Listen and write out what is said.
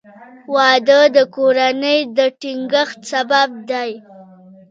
• واده د کورنۍ د ټینګښت سبب دی.